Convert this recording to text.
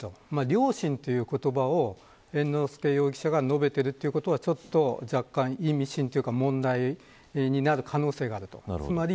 両親という言葉を猿之助容疑者が述べているということは若干意味深というか、問題になる可能性があると思います。